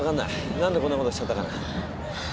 何でこんなことしちゃったかな。